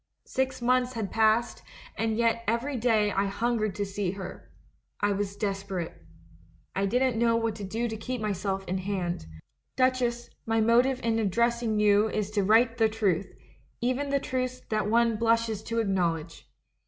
Six months had passed, yet every day I hungered to see her. I was desperate. I didn't know what to do to keep myself in hand. "Duchess, my motive in addressing you is to write the truth, even the truths that one blushes to acknowledge.